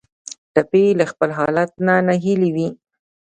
ټپي له خپل حالت نه ناهیلی وي.